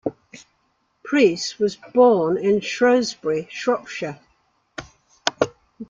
Preece was born in Shrewsbury, Shropshire.